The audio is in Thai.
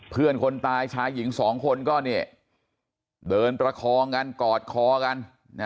เพื่อนคนตายชายหญิงสองคนก็เนี่ยเดินประคองกันกอดคอกัน